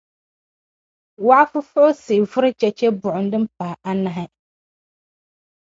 wɔr’ fufuhisi vɔri chɛchɛbuŋ’ din pah’ anahi.